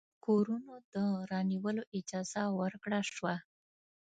کورونو د رانیولو اجازه ورکړه شوه.